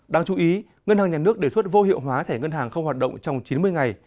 đáng chú ý ngân hàng nhà nước đề xuất vô hiệu hóa thẻ ngân hàng không hoạt động trong chín mươi ngày